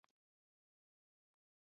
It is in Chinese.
谨慎管理社团内贴文